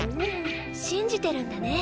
信じてるんだね。